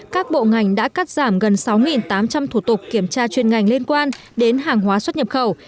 các bộ ngành đã cắt giảm gần sáu tám trăm linh thủ tục kiểm tra chuyên ngành liên quan đến hàng hóa xuất nhập khẩu